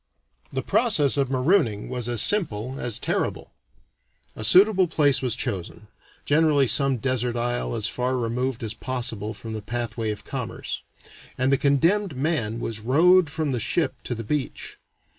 The process of marooning was as simple as terrible. A suitable place was chosen (generally some desert isle as far removed as possible from the pathway of commerce), and the condemned man was rowed from the ship to the beach.